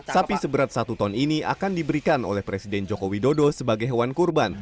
sapi seberat satu ton ini akan diberikan oleh presiden joko widodo sebagai hewan kurban